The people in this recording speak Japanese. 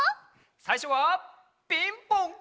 さいしょは「ピンポン」！